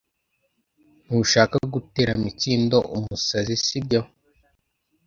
Ntushaka gutera Mitsindo umusazi, sibyo?